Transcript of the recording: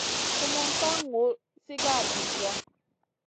Sumun ka ŋur sigara visia.